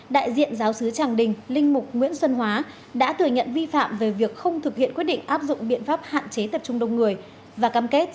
đại diện giáo sứ tràng đình linh mục nguyễn xuân hóa đã từ nhận vi phạm về việc không thực hiện quyết định áp dụng biện pháp hạn chế tập trung đông người và cam kết sẽ không tái phạm